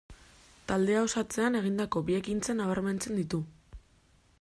Taldea osatzean egindako bi ekintza nabarmentzen ditu.